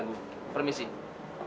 jadi ini kayak dari zaman dulu